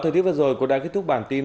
thời tiết vừa rồi cũng đã kết thúc bản tin